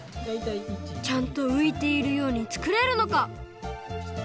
ちゃんとういているようにつくれるのか？